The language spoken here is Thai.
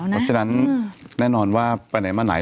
เพราะฉะนั้นแน่นอนว่าไปไหนมาไหน